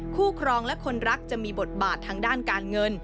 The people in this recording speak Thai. ครองและคนรักจะมีบทบาททางด้านการเงิน